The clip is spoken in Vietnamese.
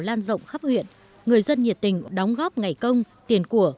lan rộng khắp huyện người dân nhiệt tình đóng góp ngày công tiền của